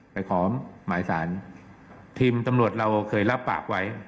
ไปขอหมายสารทีมตำรวจเราเคยรับปากไว้